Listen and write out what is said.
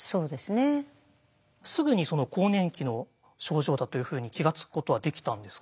すぐにその更年期の症状だというふうに気が付くことはできたんですか？